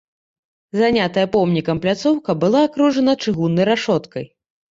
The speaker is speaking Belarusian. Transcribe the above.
Занятая помнікам пляцоўка была акружана чыгуннай рашоткай.